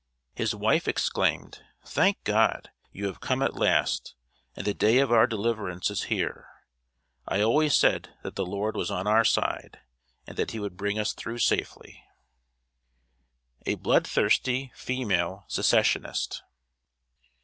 His wife exclaimed, "Thank God, you have come at last, and the day of our deliverance is here. I always said that the Lord was on our side, and that he would bring us through safely." [Sidenote: A BLOODTHIRSTY FEMALE SECESSIONIST.